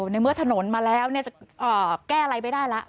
ในเมื่อถนนมาแล้วแก้อะไรไปได้ล่ะ